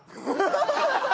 ハハハハ！